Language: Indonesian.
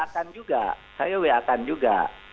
saya weakan juga